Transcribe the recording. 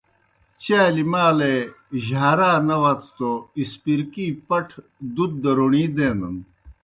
چالیْ مالے جھارا نہ وتھوْ توْ آاسپرکی پٹھہ دُت دہ روݨی دینَن۔